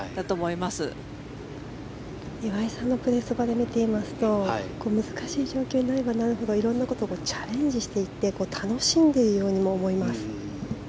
岩井さんのプレーをそばで見ていますと難しい状況になればなるほど色んなことにチャレンジしていって楽しんでいるようにも思います。